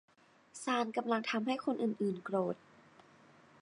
ซาลกำลังทำให้คนอื่น ๆ โกรธ